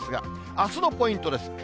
あすのポイントです。